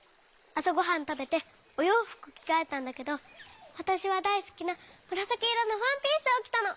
あさごはんたべておようふくきがえたんだけどわたしはだいすきなむらさきいろのワンピースをきたの。